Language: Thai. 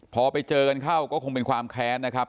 พอไปเจอกันเข้าก็คงเป็นความแค้นนะครับ